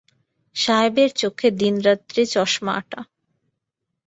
সাহেবের চক্ষে দিনরাত্রি চশমা আঁটা।